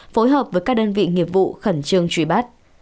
phối hợp với các đơn vị nghiệp vụ khẩn trương truy bắt